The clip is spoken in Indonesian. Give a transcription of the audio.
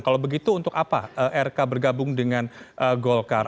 kalau begitu untuk apa rk bergabung dengan golkar